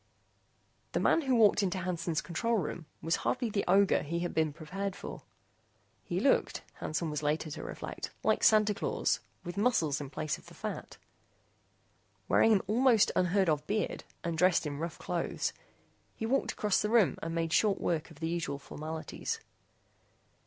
The man who walked into Hansen's control room was hardly the ogre he had been prepared for. He looked, Hansen was later to reflect, like Santa Claus with muscles in place of the fat. Wearing an almost unheard of beard and dressed in rough clothes, he walked across the room and made short work of the usual formalities.